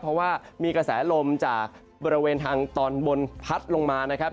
เพราะว่ามีกระแสลมจากบริเวณทางตอนบนพัดลงมานะครับ